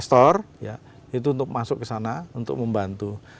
dan itu dibuka kesempatan bagi investor ya itu untuk masuk kesana untuk membantu